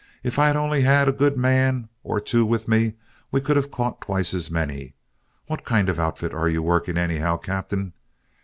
If I had only had a good man or two with me, we could have caught twice as many. What kind of an outfit are you working, anyhow, Captain?'